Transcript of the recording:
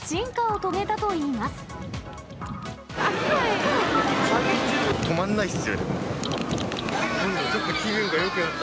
止まんないっす。